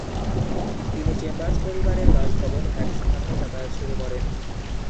তিনি চেম্বার্স পরিবারের বাসভবন হ্যাগস ফার্মে যাতায়াত শুরু করেন।